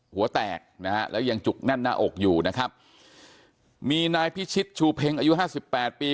หัวแตกนะฮะแล้วยังจุกแน่นหน้าอกอยู่นะครับมีนายพิชิตชูเพ็งอายุห้าสิบแปดปี